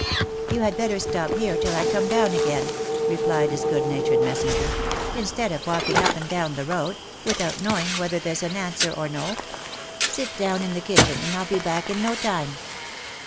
"You had better stop here till I come down again," replied his good natured messenger, " instead of walking up and down the road, without knowing whether there's an answer or no — sit down in the kitchen, and I'll be back in no time."